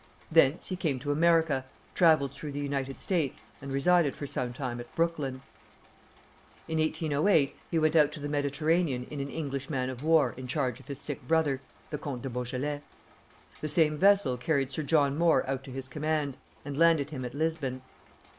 Thence he came to America, travelled through the United States, and resided for some time at Brooklyn. In 1808 he went out to the Mediterranean in an English man of war in charge of his sick brother, the Comte de Beaujolais. The same vessel carried Sir John Moore out to his command, and landed him at Lisbon.